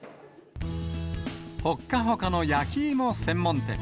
ほっかほかの焼き芋専門店。